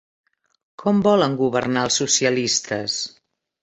Com volen governar els socialistes?